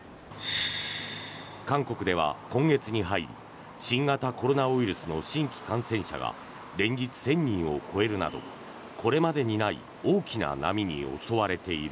韓国では今月に入り新型コロナウイルスの新規感染者が連日１０００人を超えるなどこれまでにない大きな波に襲われている。